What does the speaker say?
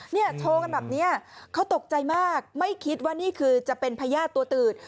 เนี่ยโชว์กันแบบเนี่ยเขาตกใจมากไม่คิดว่านี่คือจะเป็นพยาบาลตัวตื่น